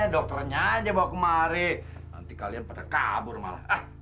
dokternya aja bawa kemari nanti kalian pada kabur malah